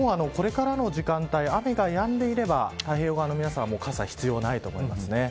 これからの時間帯雨がやんでいれば太平洋側の皆さんは傘が必要ないと思います。